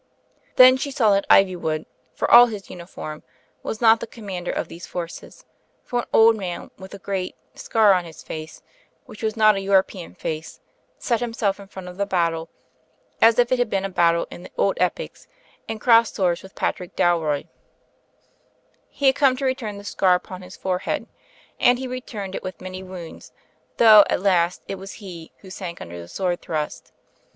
Then she saw that Ivywood, for all his imiform, was not the 0)mmarU der of these forces, for an old man, with a great scaj u,y,u.«u by Google J THE FINDING OF THE SUPERMAN 319 on his face, which was not a European face, set him self in the front of the battle, as if it had been a battle in the old epics, and crossed swords with Patrick Dal roy. He had come to return the scar upon his fore head; and he returned it with many wounds, though at last it was he who sank under the sword thrust.